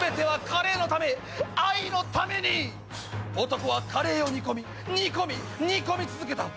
［男はカレーを煮込み煮込み煮込み続けた］